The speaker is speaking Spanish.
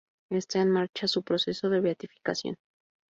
Está en marcha su proceso de beatificación.